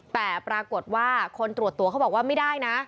แต่ปรากฏว่าคนตรวจตัวเขาบอกว่าไม่ได้นะ